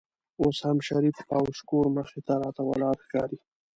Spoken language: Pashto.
اوس هم شریف او شکور مخې ته راته ولاړ ښکاري.